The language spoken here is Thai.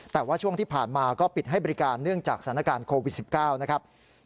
แต่ว่าช่วงที่ผ่านมาก็ปิดให้บริการเนื่องจากสถานการณ์โควิด๑๙นะครับ